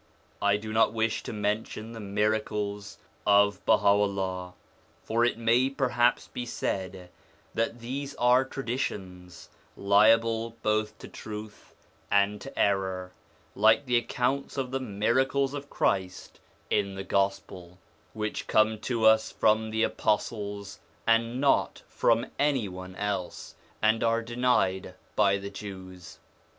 I do not wish to mention the miracles of Baha ullah, for it may perhaps be said that these are tradi tions, liable both to truth and to error, like the accounts of the miracles of Christ in the Gospel, which come to us from the apostles and not from any one else, and are denied by the Jews.